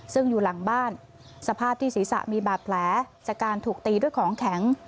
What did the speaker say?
ซึ่งอยู่หลังบ้านสภาพที่ศีรษะมีบาดแผลจากการถูกตีด้วยของแข็ง